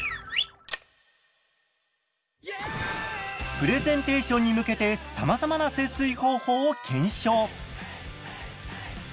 プレゼンテーションに向けてさまざまな節水方法を検証。